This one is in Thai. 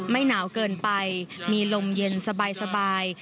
ไม่หนาวเกินไปมีลมเย็นสบาย